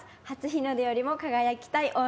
初日の出よりも輝きたい